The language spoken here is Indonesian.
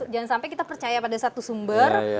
jangan sampai kita percaya pada satu sumber